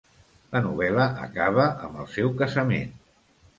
La novel·la acaba amb el seu casament.